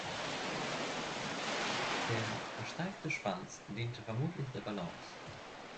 Der versteifte Schwanz diente vermutlich der Balance.